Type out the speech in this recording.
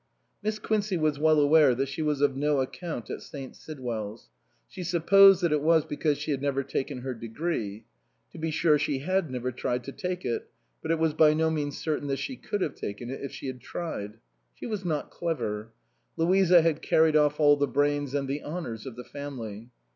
Miss Quincey was well aware that she was of no account at St. Sidwell's. She supposed that it was because she had never taken her degree. To be sure she had never tried to take it; but it was by no means certain that she could have taken it if she had tried. She was not clever ; Louisa had carried off all the brains and the honours of the family.